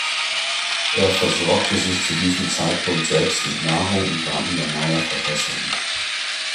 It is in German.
Er versorgte sich zu diesem Zeitpunkt selbst mit Nahrung und war in normaler Verfassung.